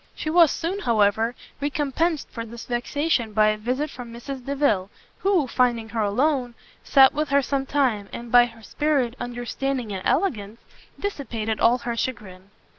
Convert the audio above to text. She was soon, however, recompensed for this vexation by a visit from Mrs Delvile, who, finding her alone, sat with her some time, and by her spirit, understanding and elegance, dissipated all her chagrin.